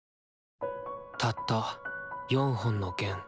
たった４本の弦。